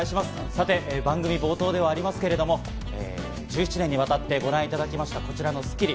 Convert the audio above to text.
さて番組冒頭ではありますけれども、１７年にわたって、ご覧いただきました、こちらの『スッキリ』。